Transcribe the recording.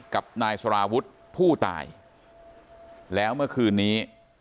กับนายสารวุฒิผู้ตายแล้วเมื่อคืนนี้